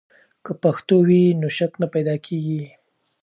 که پښتو وي، نو شک نه پیدا کیږي.